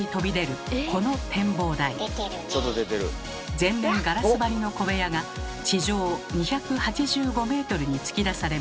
全面ガラス張りの小部屋が地上２８５メートルに突き出されます。